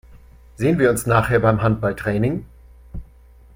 Sehen wir uns nachher beim Handballtraining?